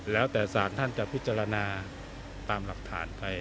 แล้วแต่สารท่านจะพิจารณาตามหลักฐานไป